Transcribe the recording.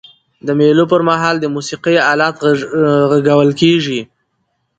د مېلو پر مهال د موسیقۍ آلات ږغول کيږي.